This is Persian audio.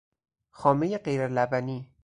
خامهی غیرلبنی